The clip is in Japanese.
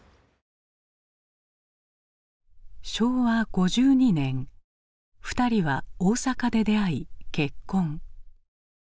昭和５２年２人は大阪で出会い結婚。